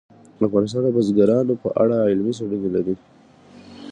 افغانستان د بزګانو په اړه علمي څېړنې لري.